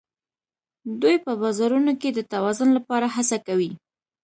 دوی په بازارونو کې د توازن لپاره هڅه کوي